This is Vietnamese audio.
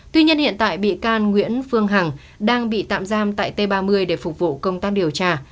tuy nhiên hiện tại bị can nguyễn phương hằng đang bị tạm giam tại t ba mươi để phục vụ công tác điều tra